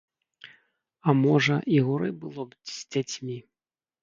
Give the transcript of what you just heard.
А можа, і горай было б з дзяцьмі?